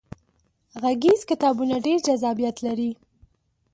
غږیز کتابونه ډیر جذابیت لري.